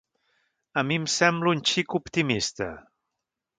A mi em sembla un xic optimista.